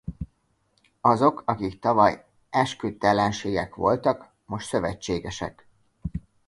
Azok akik tavaly esküdt ellenségek voltak most szövetségesek.